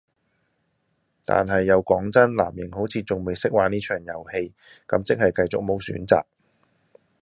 但係又講真，藍營好似仲未識玩呢場遊戲，咁即係繼續無選擇